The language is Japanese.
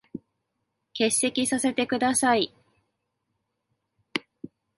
欠席させて下さい。